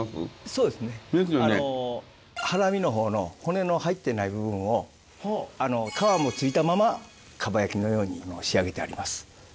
そうですね腹身の方の骨の入ってない部分を皮もついたまま蒲焼きのように仕上げてあります。